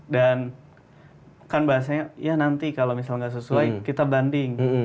dan kan bahasanya ya nanti kalau misalnya gak sesuai kita banding